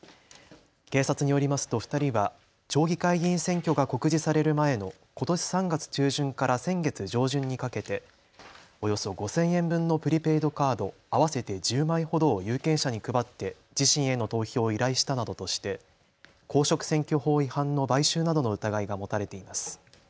警察によりますと２人は町議会議員選挙が告示される前のことし３月中旬から先月上旬にかけておよそ５０００円分のプリペイドカード合わせて１０枚ほどを有権者に配って自身への投票を依頼したなどとして公職選挙法違反の買収などの疑いが持たれています。